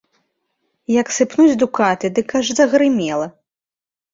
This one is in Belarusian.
Як сыпнуць дукаты, дык аж загрымела!